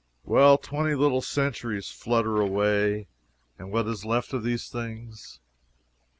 Well, twenty little centuries flutter away, and what is left of these things?